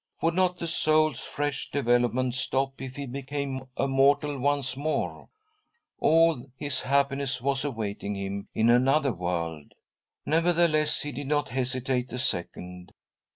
Would not the soul's fresh development stop, if he became a mortal once more ? All his happiness was awaiting, him in another world ! Nevertheless, he did not hestitate a second.